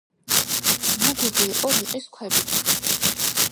ნაგები იყო რიყის ქვებით.